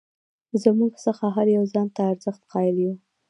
زموږ څخه هر یو ځان ته ارزښت قایل یو.